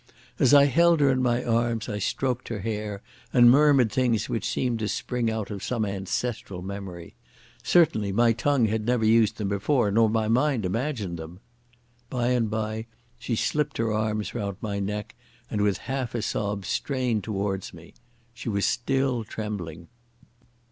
As I held her in my arms I stroked her hair and murmured things which seemed to spring out of some ancestral memory. Certainly my tongue had never used them before, nor my mind imagined them.... By and by she slipped her arms round my neck and with a half sob strained towards me. She was still trembling.